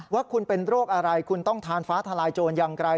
ว่าคุณเป็นโรคอะไรคุณต้องทานฟ้าทลายโจรอย่างไร